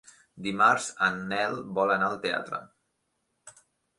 Dimarts en Nel vol anar al teatre.